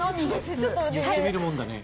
言ってみるもんだね。